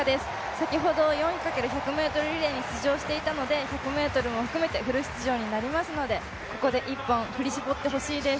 先ほど４×１００ｍリレーに出場していたので１００ｍも含めてフル出場になりますので、ここで一本、振り絞ってほしいです